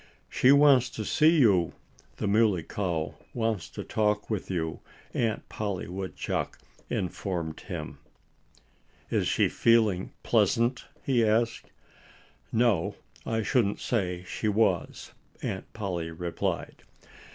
"She wants to see you. The Muley Cow wants to talk with you," Aunt Polly Woodchuck informed him. "Is she feeling pleasant?" he asked. "No, I shouldn't say she was," Aunt Polly replied.